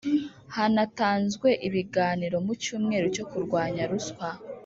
hanatanzwe ibiganiro mu cyumweru cyo kurwanya ruswa